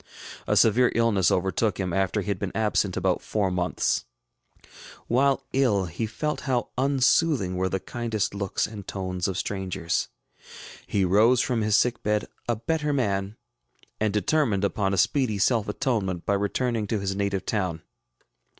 A severe illness overtook him after he had been absent about four months. While ill, he felt how unsoothing were the kindest looks and tones of strangers. He rose from his sick bed a better man, and determined upon a speedy self atonement by returning to his native town.